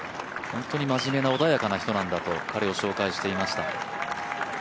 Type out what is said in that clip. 本当に真面目な穏やかな人なんだと彼を紹介していました。